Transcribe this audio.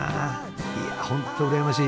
いや本当うらやましい！